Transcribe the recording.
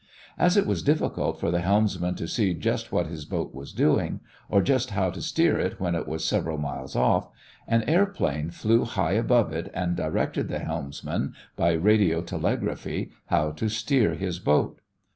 As it was difficult for the helmsman to see just what his boat was doing, or just how to steer it when it was several miles off, an airplane flew high above it and directed the helmsman, by radiotelegraphy, how to steer his boat.